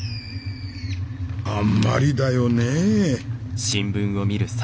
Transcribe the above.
あんまりだよねえ」。